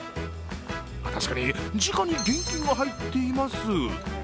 確かに、じかに現金が入っています